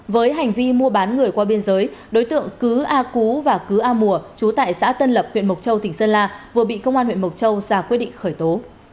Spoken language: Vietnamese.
với hành vi mua bán người qua biên giới đối tượng cứ a cú và cứ a mùa trú tại xã tân lập huyện mộc châu tỉnh sơn la vừa bị công an huyện mộc châu ra quyết định khởi tố